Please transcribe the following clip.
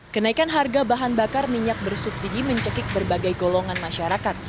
kenaikan harga bahan bakar minyak bersubsidi mencekik berbagai golongan masyarakat